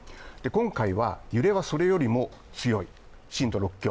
今回は揺れはそれよりも強い震度６強。